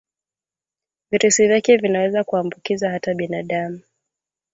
virusi vyake vinaweza kuambukiza hata binadamu